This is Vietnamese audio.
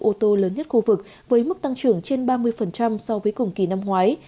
ô tô lớn nhất khu vực với mức tăng trưởng trên ba mươi so với cùng kỳ năm ngoái